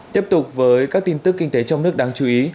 tiếp tục với các tin tức kinh tế trong nước đáng chú ý